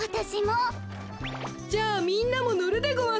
じゃあみんなものるでごわす。